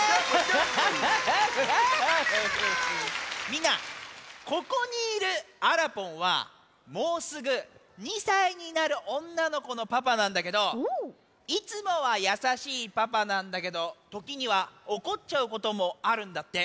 みんなここにいるあらぽんはもうすぐ２さいになるおんなのこのパパなんだけどいつもはやさしいパパなんだけどときにはおこっちゃうこともあるんだって。